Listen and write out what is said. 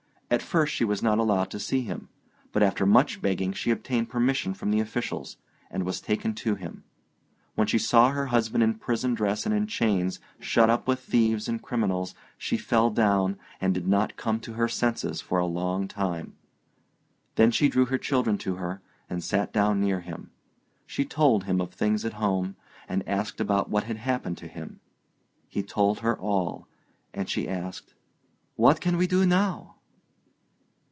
At first she was not allowed to see him; but after much begging, she obtained permission from the officials, and was taken to him. When she saw her husband in prison dress and in chains, shut up with thieves and criminals, she fell down, and did not come to her senses for a long time. Then she drew her children to her, and sat down near him. She told him of things at home, and asked about what had happened to him. He told her all, and she asked, "What can we do now?"